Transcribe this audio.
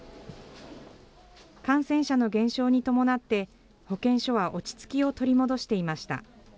感染者の減少に伴って保健所は落ち着きを取り戻していました。